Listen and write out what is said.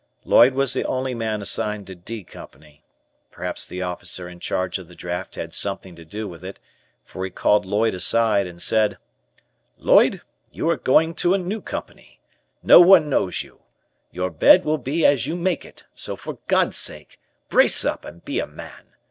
Lloyd was the only man assigned to "D" Company. Perhaps the officer in charge of the draft had something to do with it, for he called Lloyd aside, and said: "Lloyd, you are going to a new company. No one knows you. Your bed will be as you make it, so for God's sake, brace up and be a man.